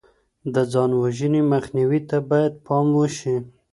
د ځان وژنې مخنيوي ته بايد پام وشي.